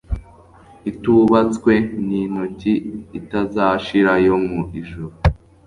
itubatswe n intoki itazashira yo mu ijuru